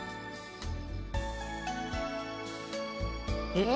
えっ？